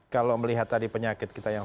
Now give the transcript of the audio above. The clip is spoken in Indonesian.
kalau melihat tadi penyakit kita yang